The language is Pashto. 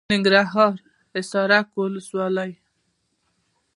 د ننګرهار حصارک ولسوالي .